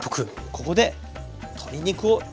ここで鶏肉を入れます。